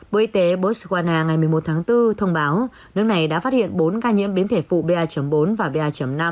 bộ y tế botswana ngày một mươi một tháng bốn thông báo nước này đã phát hiện bốn ca nhiễm biến thể phụ ba bốn và ba năm